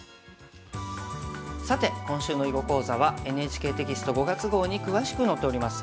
さて今週の囲碁講座はＮＨＫテキスト５月号に詳しく載っております。